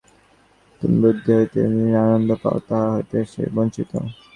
তুমি বুদ্ধি হইতে যে আশ্চর্য আনন্দ পাও, তাহা হইতে সে বঞ্চিত।